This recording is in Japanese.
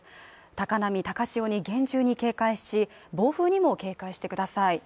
高波、高潮に厳重に警戒し暴風にも警戒してください。